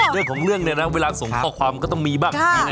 เรื่องของเรื่องเนี่ยนะเวลาส่งข้อความก็ต้องมีบ้าง